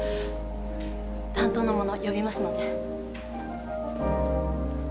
担当の者呼びますので。